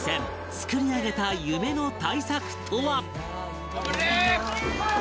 作り上げた夢の大作とは？